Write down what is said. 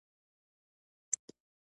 بادرنګ د بدن دننه التهاب کموي.